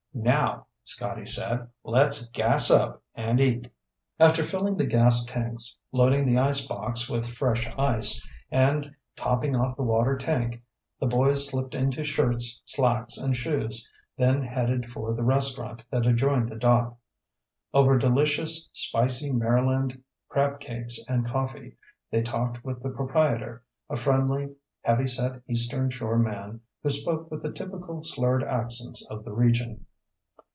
"Now," Scotty said, "let's gas up and eat." After filling the gas tanks, loading the icebox with fresh ice, and topping off the water tank, the boys slipped into shirts, slacks, and shoes, then headed for the restaurant that adjoined the dock. Over delicious, spicy Maryland crab cakes and coffee, they talked with the proprietor, a friendly, heavy set Eastern Shore man who spoke with the typical slurred accents of the region.